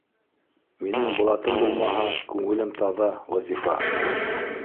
Минең блатым булмаһа, күңелем таҙа, Вазифа!